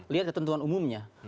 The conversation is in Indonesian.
lihat ketentuan umumnya